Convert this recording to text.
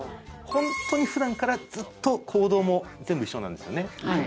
ホントに普段からずっと行動も全部一緒なんですよね？